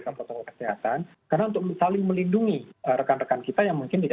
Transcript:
yang augmenter bagian negara sudah mengalami mutasi wegen covid sembilan belas